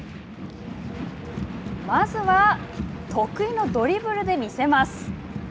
まずは得意のドリブルでみせます。